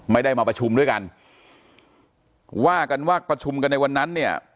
ไม่ได้มาประชุมด้วยกันว่ากันว่าประชุมกันในวันนั้นเนี่ย